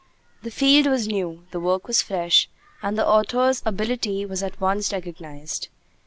The field was new, the work was fresh, and the author's ability was at once recognized.